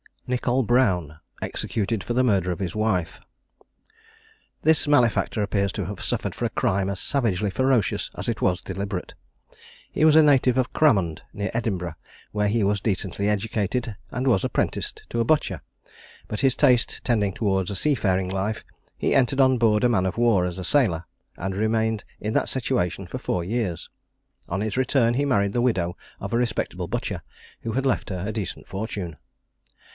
NICOL BROWN. EXECUTED FOR THE MURDER OF HIS WIFE. This malefactor appears to have suffered for a crime as savagely ferocious as it was deliberate. He was a native of Cramond, near Edinburgh, where he was decently educated, and was apprenticed to a butcher; but his taste tending towards a seafaring life, he entered on board a man of war as a sailor, and remained in that situation for four years. On his return, he married the widow of a respectable butcher, who had left her a decent fortune.